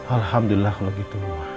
alhamdulillah kalau gitu ma